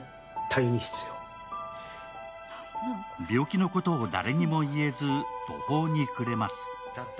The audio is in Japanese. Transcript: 病気のことを誰にも言えず途方に暮れます。